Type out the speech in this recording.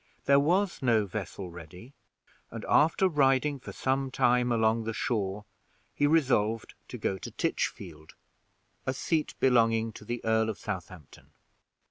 There was no vessel ready, and after riding for some time along the shore, he resolved to go to Titchfield, a seat belonging to the Earl of Southampton.